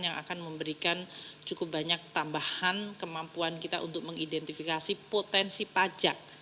yang akan memberikan cukup banyak tambahan kemampuan kita untuk mengidentifikasi potensi pajak